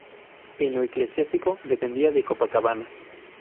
En lo eclesiástico dependía de Copacabana.